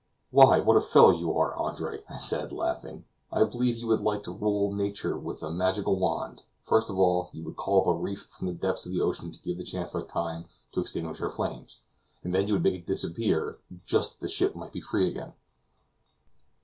"Why, what a fellow you are, Andre!" I said, laughing; "I believe you would like to rule Nature with a magic wand, first of all, you would call up a reef from the depth of the ocean to give the Chancellor time to extinguish her flames, and then you would make it disappear just that the ship might be free again."